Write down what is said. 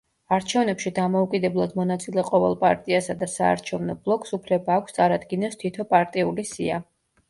არჩევნებში დამოუკიდებლად მონაწილე ყოველ პარტიასა და საარჩევნო ბლოკს უფლება აქვს, წარადგინოს თითო პარტიული სია.